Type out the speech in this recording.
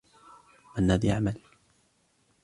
منّاد يعمل.